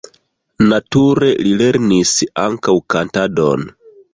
Nature li lernis ankaŭ kantadon.